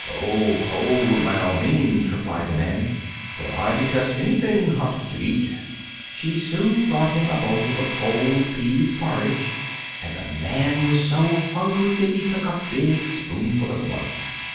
"Oh, cold, by all means," replied the Man, "for I detest anything hot to eat." She soon brought him a bowl of cold pease porridge, and the Man was so hungry that he took a big spoonful at once.